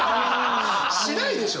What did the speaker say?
しないでしょ。